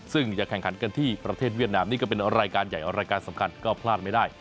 ซึ่งจะแข่งขันกันที่ประเทศเวียดนามนี่ก็เป็นรายการใหญ่รายการสำคัญก็พลาดไม่ได้